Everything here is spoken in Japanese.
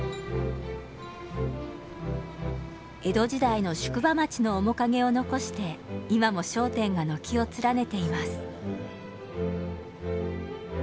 江戸時代の宿場町の面影を残して今も商店が軒を連ねています。